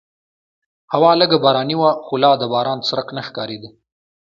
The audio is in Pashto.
هوا لږه باراني وه خو لا د باران څرک نه ښکارېده.